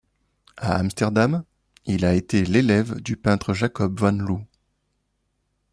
À Amsterdam, il a été l'élève du peintre Jacob van Loo.